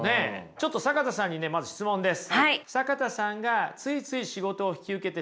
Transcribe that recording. ちょっと坂田さんにねまず質問です。